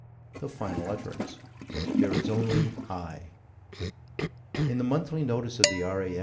The final utterance: "There is only I." In the _Monthly Notices of the R.A.